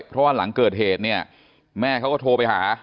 เพราะว่าหลังเกิดเหตุเนี่ยแม่เขาก็โทรไปหา